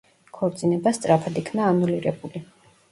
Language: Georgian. ქორწინება სწრაფად იქნა ანულირებული.